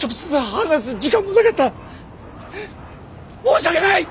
申し訳ない！